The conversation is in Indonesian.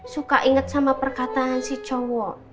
suka ingat sama perkataan si cowok